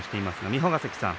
三保ヶ関さん